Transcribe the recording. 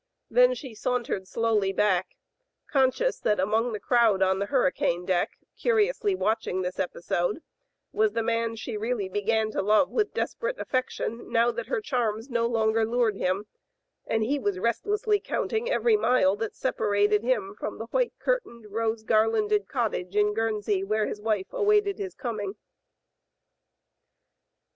Then she sauntered slowly back, conscious that among the crowd on the hurricane deck curiously watching this epi sode was the man she really began to love with desperate affection now that her charms no longer lured him, and he was restlessly counting every mile that separated him from the white curtained, rose garlanded cottage in Guernsey where his wife awaited his coming.